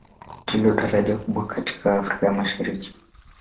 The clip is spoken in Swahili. Ndilo daraja kubwa katika Afrika ya Mashariki.